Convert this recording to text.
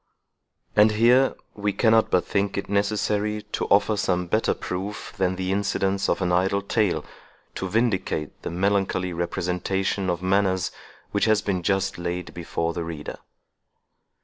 And here we cannot but think it necessary to offer some better proof than the incidents of an idle tale, to vindicate the melancholy representation of manners which has been just laid before the reader.